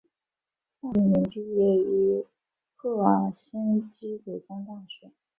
萨里宁毕业于赫尔辛基理工大学。